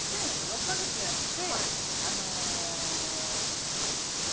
６カ月やって。